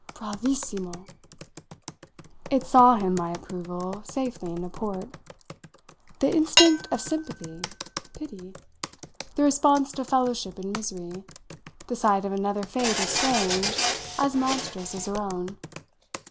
"Bravissimo!" It saw him, my approval, safely into port. "The instinct of sympathy, pity the response to fellowship in misery; the sight of another fate as strange, as monstrous as her own."